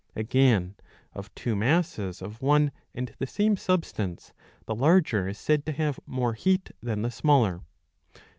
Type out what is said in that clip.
^^ Again, of two masses of one and the same substance, the larger is said to have more heat than the smaller.